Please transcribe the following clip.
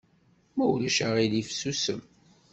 Ma ulac aɣilif susem!